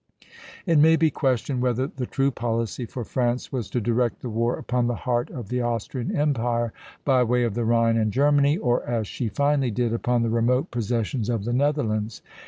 It may be questioned whether the true policy for France was to direct the war upon the heart of the Austrian Empire, by way of the Rhine and Germany, or, as she finally did, upon the remote possessions of the Netherlands.